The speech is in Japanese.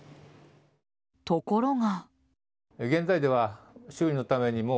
ところが。